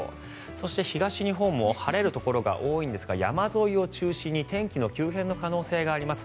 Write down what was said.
そして、東日本も晴れるところが多いんですが山沿いを中心に天気の急変の可能性があります。